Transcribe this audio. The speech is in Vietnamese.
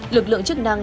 lực lượng chức năng